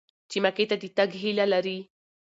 هغه مکې ته د تګ هیله لري.